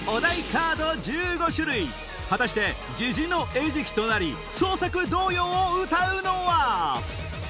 カード１５種類果たしてジジの餌食となり創作童謡を歌うのは？